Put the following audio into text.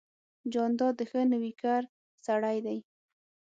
جانداد د ښه نویکر سړی دی.